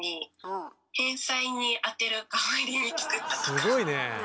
すごいねえ。